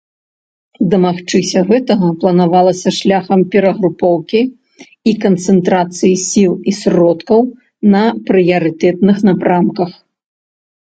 Дамагчыся гэтага, планавалася шляхам перагрупоўкі і канцэнтрацыі сіл і сродкаў на прыярытэтных напрамках.